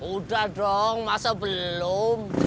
udah dong masa belum